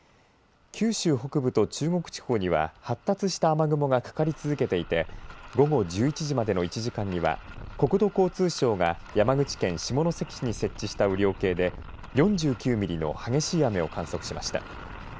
九州北部と中国地方には発達した雨雲がかかり続けていて午後１１時までの１時間には国土交通省が山口県下関市に設置した雨量計で４９ミリの激しい雨を観測しました。